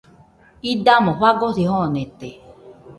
Idamo fagosi joonete.